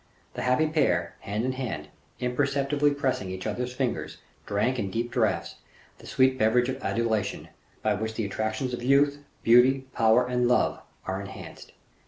The happy pair, hand in hand, imperceptibly pressing each other's fingers, drank in deep draughts the sweet beverage of adulation, by which the attractions of youth, beauty, power and love are enhanced.